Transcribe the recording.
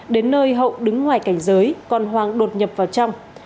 đến nơi hậu đứng ngoài cảnh giới còn hoàng đột nhập vào trong